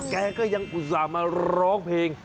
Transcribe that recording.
แกก็ยังอุตส่าห์มาร้องเพลง